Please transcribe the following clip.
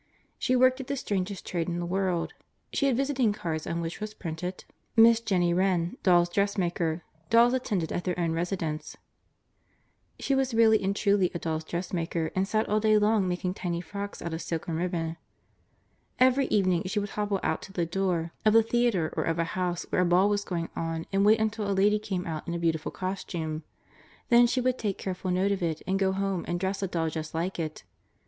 She worked at the strangest trade in the world. She had visiting cards on which was printed: ________________________________________||| MISS JENNIE WREN || DOLLS' DRESSMAKER |||| Dolls Attended at Their Own Residence ||________________________________________| She was really and truly a dolls' dressmaker and sat all day long making tiny frocks out of silk and ribbon. Every evening she would hobble out to the door of the theater or of a house where a ball was going on and wait until a lady came out in a beautiful costume; then she would take careful note of it and go home and dress a doll just like it.